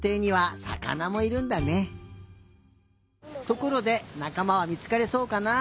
ところでなかまはみつかりそうかな？